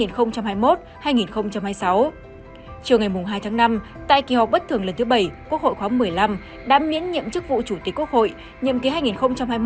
trường ngày hai tháng năm tại kỳ họp bất thường lần thứ bảy quốc hội khóa một mươi năm đám miễn nhiệm chức vụ chủ tịch quốc hội